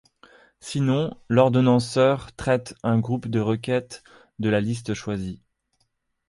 Sinon, l'ordonnanceur traite un groupe de requêtes de la liste choisie.